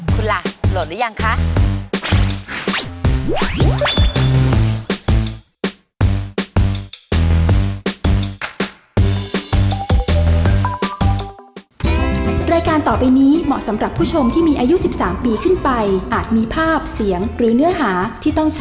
คุณล่ะโหลดแล้วยังคะ